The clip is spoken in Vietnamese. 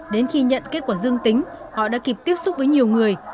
đến khi nhận kết quả dương tính họ đã kịp tiếp xúc với nhiều người